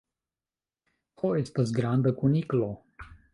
Ho estas granda kuniklo.